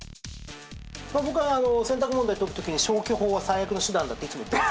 僕は選択問題を解く時に消去法は最悪な手段だっていつも言ってるんです。